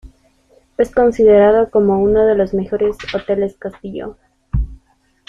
Es considerado como uno de los mejores hoteles-castillo.